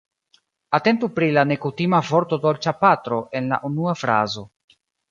Atentu pri la nekutima vorto dolĉapatro en la unua frazo.